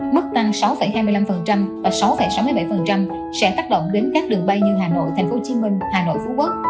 mức tăng sáu hai mươi năm và sáu sáu mươi bảy sẽ tác động đến các đường bay như hà nội tp hcm hà nội phú quốc